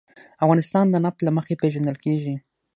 افغانستان د نفت له مخې پېژندل کېږي.